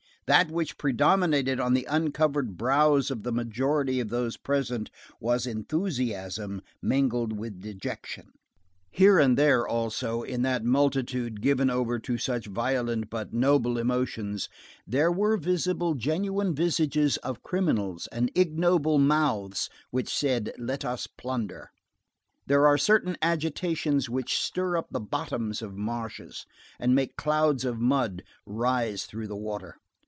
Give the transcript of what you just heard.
That which predominated on the uncovered brows of the majority of those present was enthusiasm mingled with dejection. Here and there, also, in that multitude given over to such violent but noble emotions, there were visible genuine visages of criminals and ignoble mouths which said: "Let us plunder!" There are certain agitations which stir up the bottoms of marshes and make clouds of mud rise through the water.